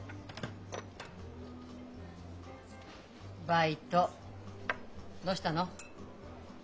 バイトどうしたの？